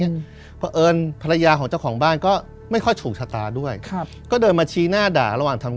เพราะเอิญภรรยาของเจ้าของบ้านก็ไม่ค่อยถูกชะตาด้วยครับก็เดินมาชี้หน้าด่าระหว่างทำ